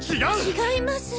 違います！